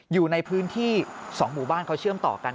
อยู่ในพื้นที่๒หมู่บ้านเขาเชื่อมต่อกัน